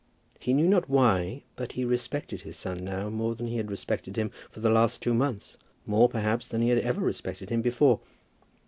He knew not why, but he respected his son now more than he had respected him for the last two months; more, perhaps, than he had ever respected him before.